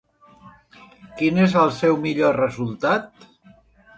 Quin és el seu millor resultat?